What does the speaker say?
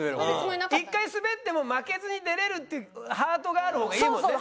一回スベっても負けずに出れるっていうハートがある方がいいもんね。